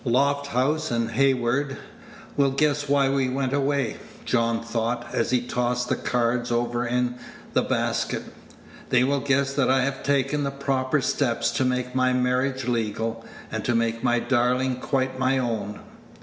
"Lofthouse and Heyward will guess why we went away," John thought, as he tossed the cards over in the basket; "they will guess that I have taken the proper steps to make my marriage legal, and to make my darling quite my own."